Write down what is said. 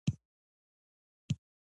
وسله د ملګرو تر منځ دیوال جوړوي